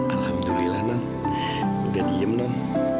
alhamdulillah nak udah diem nam